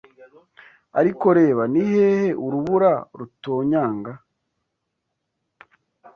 Ariko reba! nihehe urubura rutonyanga